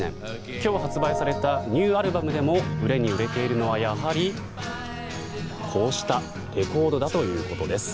今日発売されたニューアルバムでも売れに売れているのはやはり、こうしたレコードだということです。